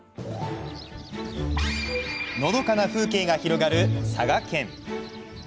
のどかな風景が広がる佐賀県。